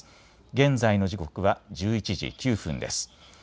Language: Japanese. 現在の時刻は１１時９分です。